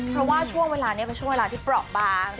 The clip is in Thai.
เพราะว่าช่วงเวลานี้เป็นช่วงเวลาที่เปราะบาง